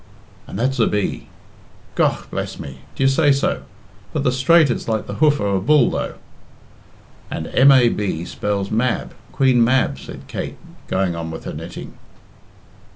"And that's a B." "Gough bless me, d'ye say so? But the straight it's like the hoof of a bull, though." "And M A B spells Mab Queen Mab," said Kate, going on with her knitting.